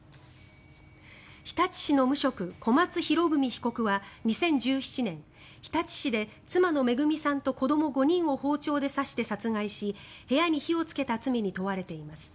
日立市の無職小松博文被告は２０１７年日立市で妻の恵さんと子ども５人を包丁で刺して殺害し部屋に火をつけた罪に問われています。